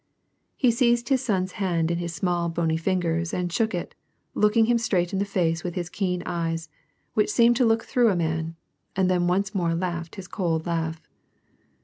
He seized his son's hand in his small, bony fingers and shook it, looking him straight in the face with his keen eyes, which seemed to look through a man, and then once more laughed his cold laugh.